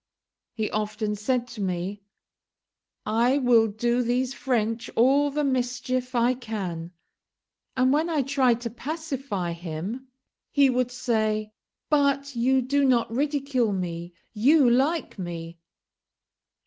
He often said to me, "I will do these French all the mischief I can;" and when I tried to pacify him he would say, "But you do not ridicule me; you like me."